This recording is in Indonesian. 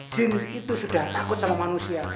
jin itu sudah takut sama manusia